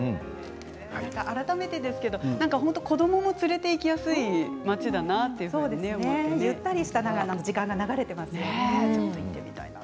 改めてですけど子どもも連れていきやすい街だなゆったりとした時間が流れていました。